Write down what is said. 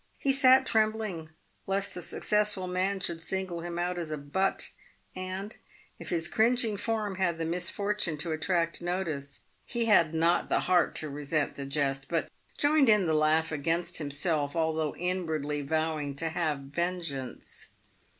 He sat trembling lest the successful man should single him out as a butt, and, if his cringing form had the misfortune to attract PAVED WITH GOLD. notice, lie had not the heart to resent the jest, but joined in the laugh against himself, although inwardly vowing to have vengeance.